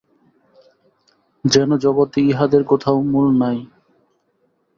যেন জগতে ইহাদের কোথাও মূল নাই।